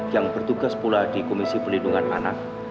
yang bertugas pula di komisi pelindungan anak